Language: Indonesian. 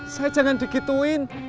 saya jangan digituin